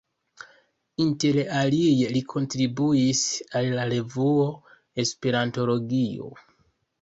Inter alie li kontribuis al la revuo Esperantologio.